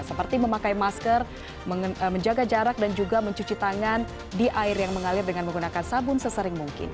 seperti memakai masker menjaga jarak dan juga mencuci tangan di air yang mengalir dengan menggunakan sabun sesering mungkin